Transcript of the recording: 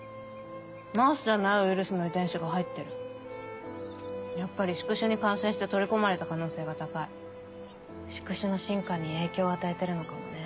マウスじゃないウイルスの遺伝子が入ってやっぱり宿主に感染して取り込まれた宿主の進化に影響を与えてるのかもね